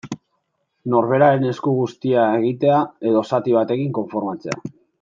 Norberaren esku guztia egitea, edo zati batekin konformatzea.